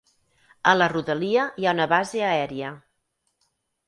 A la rodalia hi ha una base aèria.